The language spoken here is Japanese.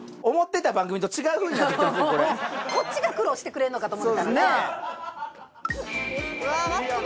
こっちが苦労してくれんのかと思ってたらな。